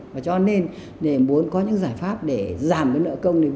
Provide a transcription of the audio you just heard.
và cho nên để muốn có những giải pháp để giảm cái nợ công này